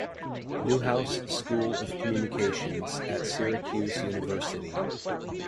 Newhouse School of Communications at Syracuse University.